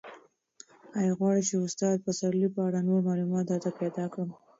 ایا غواړې چې د استاد پسرلي په اړه نور معلومات درته پیدا کړم؟